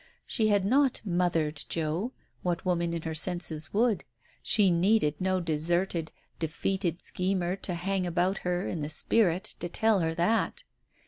She had not "mothered " Joe, what woman in her senses would? She needed no deserted, defeated schemer to hang about her, in the spirit, to tell her that